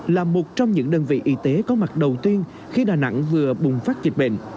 là một trong những đơn vị y tế có mặt đầu tiên khi đà nẵng vừa bùng phát dịch bệnh